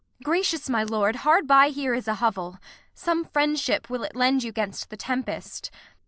Gracious my lord, hard by here is a hovel; Some friendship will it lend you 'gainst the tempest.